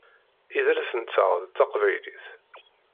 Idles-nteɣ d taqbaylit.